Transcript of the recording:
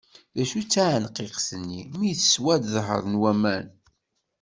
D acu i d taɛenqiqt-nni, mi teswa ad d-dehṛen wamaw.